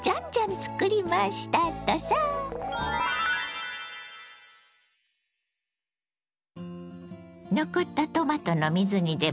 残ったトマトの水煮でもう一品！